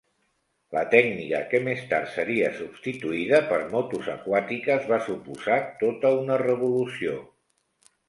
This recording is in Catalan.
La tècnica, que més tard seria substituïda per motos aquàtiques, va suposar tota una revolució.